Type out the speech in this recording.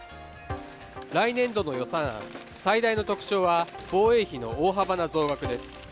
来年度の予算案、最大の特徴は防衛費の大幅な増額です。